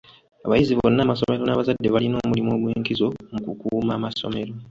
Abayizi bonna, amasomero n'abazadde balina omulimu ogw'enkizo mu kukuuma amasomero